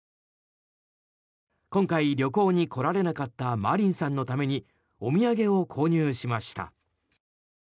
今回、旅行に来られなかった真凛さんのためにお土産を購入しました。